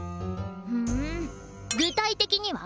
ふん具体的には？